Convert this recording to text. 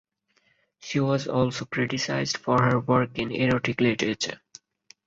She was also criticized for her work in erotic literature.